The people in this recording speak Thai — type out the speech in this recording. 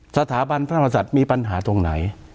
สถาบันพระมศัตริย์มีปัญหาตรงไหน